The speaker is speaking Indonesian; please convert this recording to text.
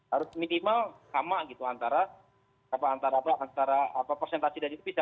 harus minimal sama gitu antara persentase dan itu bisa